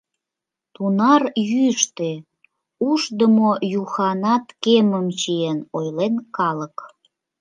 «Тунар йӱштӧ, Ушдымо-Юханат кемым чиен», — ойлен калык.